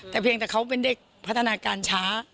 แต่เพียงแต่เขาเป็นเด็กพัฒนาการช้า